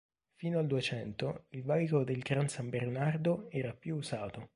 Fino al Duecento il valico del Gran San Bernardo era più usato.